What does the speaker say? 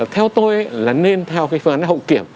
theo tôi là nên theo cái phương án hậu kiểm